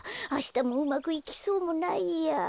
あしたもうまくいきそうもないや。